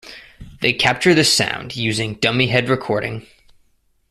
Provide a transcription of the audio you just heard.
They capture this sound using dummy head recording.